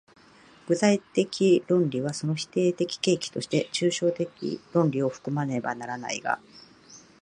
具体的論理はその否定的契機として抽象的論理を含まねばならないが、